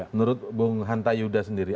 menurut bung hanta yuda sendiri